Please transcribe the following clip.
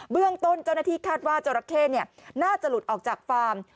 เรื่องต้นเจ้าหน้าที่คาดว่าจราเข้น่าจะหลุดออกจากฟาร์ม